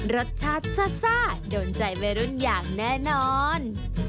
รสชาติซ่าโดนใจวัยรุ่นอย่างแน่นอน